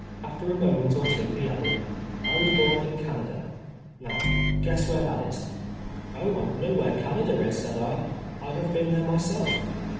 After a moment or two he added —" I was born in Canada ; now o'uess where that is." " Oh, I know where Canada is," said I, " I have Leen there myself."